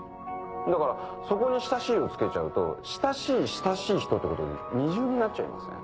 だからそこに「親しい」を付けちゃうと「親しい親しい人」ってことで二重になっちゃいません？